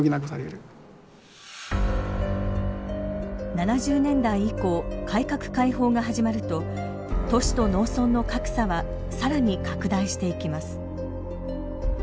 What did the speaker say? ７０年代以降改革開放が始まると都市と農村の格差は更に拡大していきます。